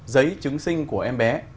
giấy chứng sinh của em bé